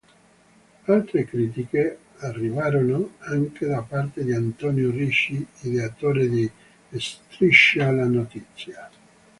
Altre critiche arrivarono anche da parte di Antonio Ricci, ideatore di "Striscia la notizia".